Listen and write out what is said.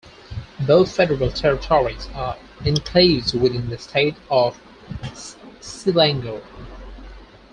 Both federal territories are enclaves within the state of Selangor.